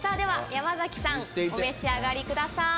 山さんお召し上がりください。